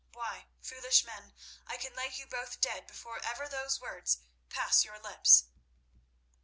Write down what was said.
Why, foolish men, I can lay you both dead before ever those words pass your lips."